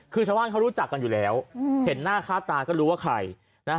คือชาวบ้านเขารู้จักกันอยู่แล้วเห็นหน้าค่าตาก็รู้ว่าใครนะฮะ